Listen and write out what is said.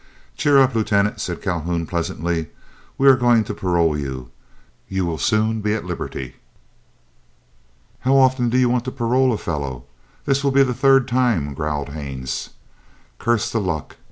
"Cheer up, Lieutenant," said Calhoun, pleasantly; "we are going to parole you. You will soon be at liberty." "How often do you want to parole a fellow? This will be the third time," growled Haines. "Curse the luck.